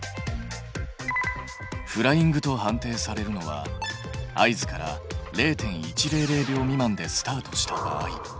フライングと判定されるのは合図から０．１００秒未満でスタートした場合。